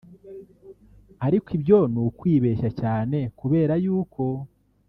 ariko ibyo ni ukwibeshya cyane kubera yuko